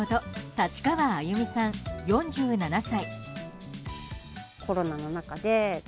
立川あゆみさん、４７歳。